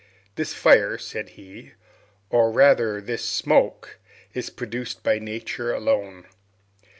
"This fire," said he, "or rather, this smoke is produced by nature alone.